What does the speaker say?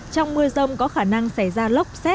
trong mưa rông có khả năng xảy ra lốc xét và gió giật